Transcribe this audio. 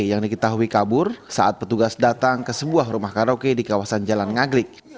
yang diketahui kabur saat petugas datang ke sebuah rumah karaoke di kawasan jalan ngaglik